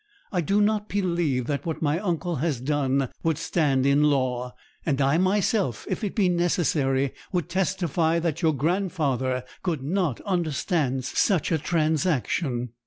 I do not believe that what my uncle has done would stand in law, and I myself, if it be necessary, would testify that your grandfather could not understand such a transaction.